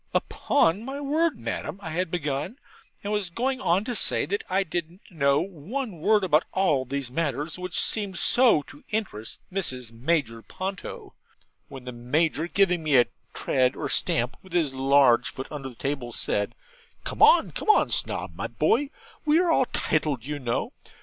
'Upon my word, Madam,' I had begun, and was going on to say that I didn't know one word about all these matters which seemed so to interest Mrs. Major Ponto, when the Major, giving me a tread or stamp with his large foot under the table, said 'Come, come, Snob my boy, we are all tiled, you know.